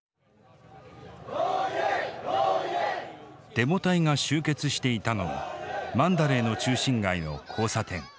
デモ隊が集結していたのはマンダレーの中心街の交差点。